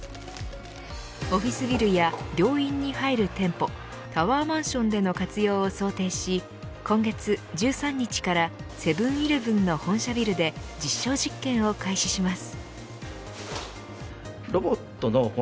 オフィスビルや病院に入る店舗タワーマンションでの活用を想定し今月１３日からセブン‐イレブンの本社ビルで実証実験を開始します。